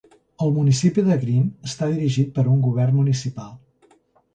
El municipi de Green està dirigit per un govern municipal.